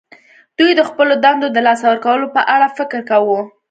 دوی د خپلو دندو د لاسه ورکولو په اړه فکر کاوه